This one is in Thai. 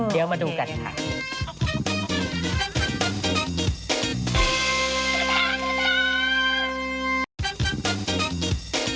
เดี๋ยวมาดูกันค่ะ